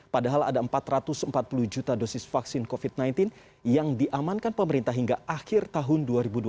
padahal ada empat ratus empat puluh juta dosis vaksin covid sembilan belas yang diamankan pemerintah hingga akhir tahun dua ribu dua puluh satu